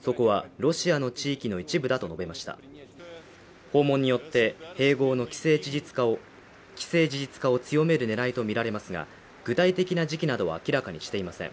そこはロシアの地域の一部だと述べました訪問によって併合の既成事実化を強める狙いと見られますが具体的な時期などは明らかにしていません